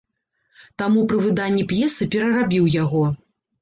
Таму пры выданні п'есы перарабіў яго.